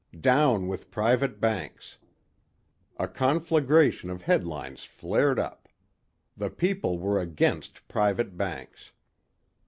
Down with private banks! A conflagration of headlines flared up. The people were against private banks.